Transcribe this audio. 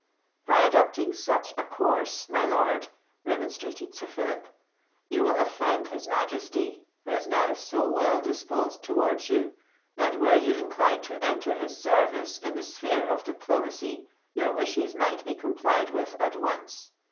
"By adopting such a course, my lord," remonstrated Sir Phillip, "you will offend his Majesty, who is now so well disposed towards you, that were you inclined to enter his service in the sphere of diplomacy, your wishes might be complied with at once.